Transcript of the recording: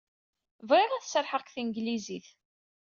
Bɣiɣ ad serrḥeɣ deg tanglizit.